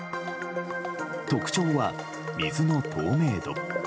特徴は水の透明度。